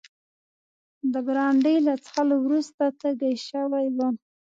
د برانډي له څښلو وروسته تږی شوی وم.